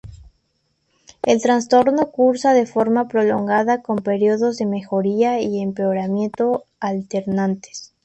El trastorno cursa de forma prolongada con periodos de mejoría y empeoramiento alternantes.